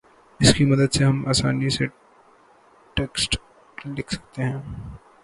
اس کی مدد سے ہم آسانی سے ٹیکسٹ لکھ سکتے ہیں